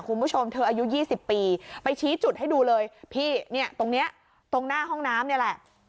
คุณผู้ชมเธออายุ๒๐ปีไปชี้จุดให้ดูเลยพี่เนี่ยตรงเนี้ยตรงหน้าห้องน้ำนี่แหละ